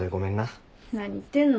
何言ってんの。